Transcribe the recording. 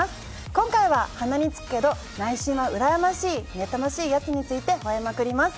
今回は鼻につくけれど、内心はうらやましい、妬ましいヤツについて吠えまくります。